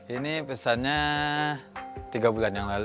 ini pesannya tiga bulan yang lalu